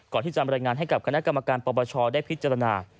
ที่จำรายงานให้กับคณะกรรมการปปชได้พิจารณา